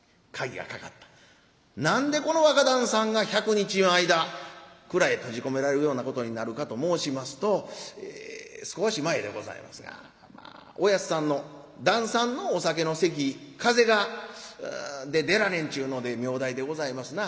何でこの若旦さんが１００日の間蔵へ閉じ込められるようなことになるかと申しますと少し前でございますが親父さんの旦さんのお酒の席風邪で出られんちゅうので名代でございますな。